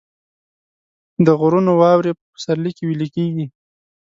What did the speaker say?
د غرونو واورې په پسرلي کې ویلې کیږي